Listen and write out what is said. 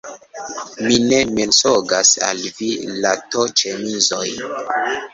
mi ne mensogas al vi! la to-ĉemizoj.